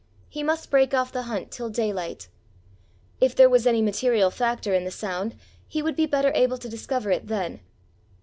he must break off the hunt till daylight! If there was any material factor in the sound, he would be better able to discover it then!